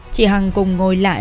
chị hằng cùng ngồi lại